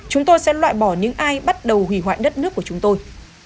chúng tôi sẽ loại bỏ những ai bắt đầu hủy hoại đất nước của chúng tôi